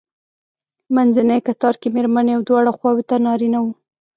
منځنی کتار کې مېرمنې او دواړو خواوو ته نارینه وو.